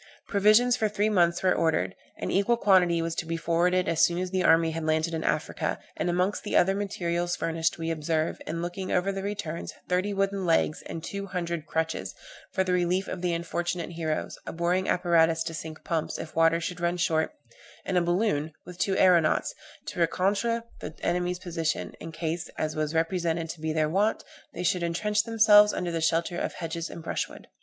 Provisions for three months were ordered; an equal quantity was to be forwarded as soon as the army had landed in Africa; and, amongst the other materials furnished we observe, in looking over the returns, thirty wooden legs, and two hundred crutches, for the relief of the unfortunate heroes, a boring apparatus to sink pumps, if water should run short, and a balloon, with two aeronauts, to reconnoitre the enemy's position, in case, as was represented to be their wont, they should entrench themselves under the shelter of hedges and brushwood.